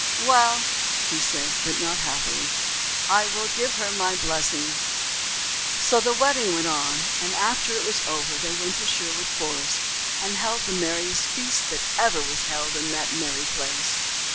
"Well," he said, but not happily, "I will give her my blessing." So the wedding went on; and after it was over they went to Sherwood Forest and held the merriest feast that ever was held in that merry place.